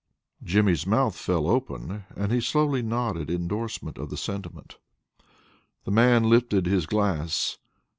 Jimmy's mouth fell open, and he slowly nodded indorsement of the sentiment. The man lifted his glass.